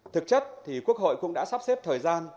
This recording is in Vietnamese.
thực chất thì quốc hội cũng đã sắp xếp thời gian để xem xét